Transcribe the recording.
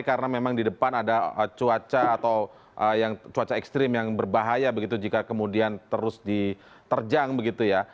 karena memang di depan ada cuaca atau cuaca ekstrim yang berbahaya begitu jika kemudian terus diterjang begitu ya